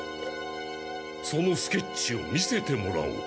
そのスケッチを見せてもらおう。